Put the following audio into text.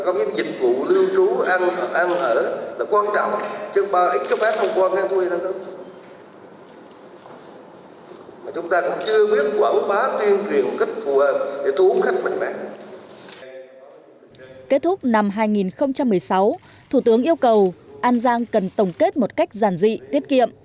năm hai nghìn một mươi sáu thủ tướng yêu cầu an giang cần tổng kết một cách giản dị tiết kiệm